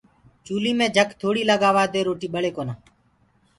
چوليٚ مي جھَڪ ٿوڙيٚ لگآوآدي روٽيٚ ٻݪي ڪونآ